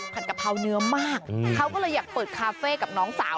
กะเพราเนื้อมากเขาก็เลยอยากเปิดคาเฟ่กับน้องสาว